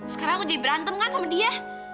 sekarang aku jadi berantem kan sama dia